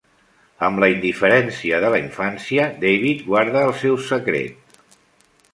Amb la indiferència de la infància, David guarda el seu secret.